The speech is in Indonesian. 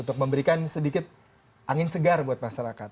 untuk memberikan sedikit angin segar buat masyarakat